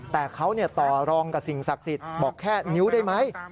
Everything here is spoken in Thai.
แต่เขาต่อรองกับสิ่งศักดิ์สิทธิ์บอกแค่นิ้วได้ไหม